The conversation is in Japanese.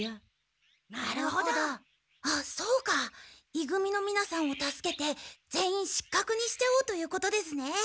い組のみなさんを助けて全員失格にしちゃおうということですね。